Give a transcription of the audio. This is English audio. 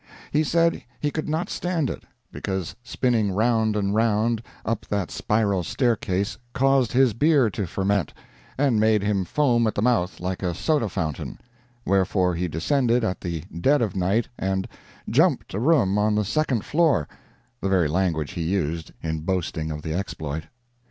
He said he could not stand it, because spinning round and round, up that spiral staircase, caused his beer to ferment, and made him foam at the mouth like a soda fountain; wherefore, he descended at the dead of night and "jumped" a room on the second floor (the very language he used in boasting of the exploit).